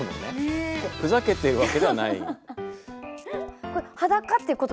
ふざけているわけではない。